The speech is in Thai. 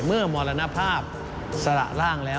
เมื่อมรณภาพสละล่างแล้ว